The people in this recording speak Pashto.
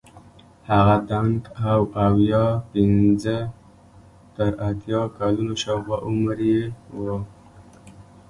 هغه دنګ او اویا پنځه تر اتیا کلونو شاوخوا عمر یې وو.